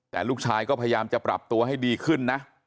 แต่ลูกชายก็พยายามจะปรับตัวให้ดีขึ้นนะ